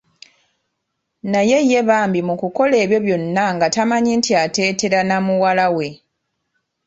Naye ye bambi mu kukola ebyo byonna nga tamanyi nti ateetera namuwalawe.